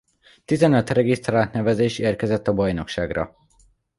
Tizenöt regisztrált nevezés érkezett a bajnokságra.